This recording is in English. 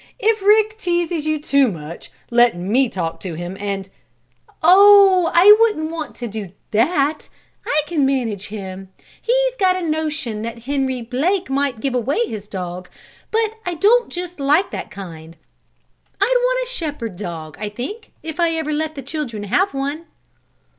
If Rick teases you too much, let me talk to him, and " "Oh, I wouldn't want to do that. I can manage him. He's got a notion that Henry Blake might give away his dog. But I don't just like that kind. I'd want a shepherd dog, I think, if ever I let the children have one."